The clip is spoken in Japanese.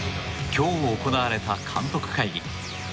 今日行われた監督会議。